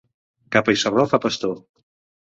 Capa i sarró fa pastor.